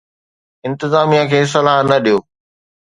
انتظاميا کي صلاح نه ڏيو.